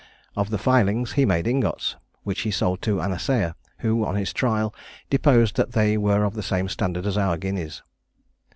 Of the filings he made ingots, which he sold to an assayer, who, on his trial, deposed that they were of the same standard as our guineas.